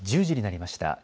１０時になりました。